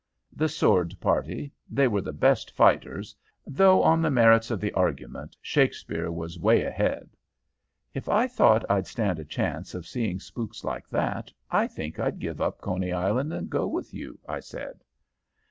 "'The sword party. They were the best fighters; though on the merits of the argument Shakespeare was 'way ahead.' "'If I thought I'd stand a chance of seeing spooks like that, I think I'd give up Coney Island and go with you,' I said.